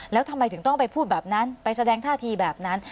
แล้วทำไมถึงต้องไปพูดแบบนั้นไปแสดงท่าทีแบบนั้น